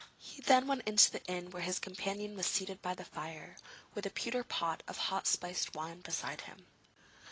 He then went into the inn where his companion was seated by the fire, with a pewter pot of hot spiced wine beside him.